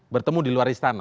bertemu di luar istana